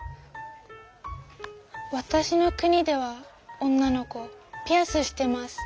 わたしの国では女の子ピアスしてます。